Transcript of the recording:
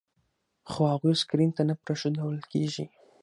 خو هغوی سکرین ته نه پرېښودل کېږي.